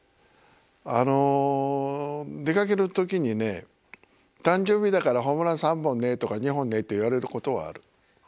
あの出かける時にね誕生日だからホームラン３本ねとか２本ねって言われることはある。